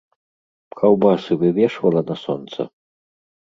Каўбасы вывешвала на сонца?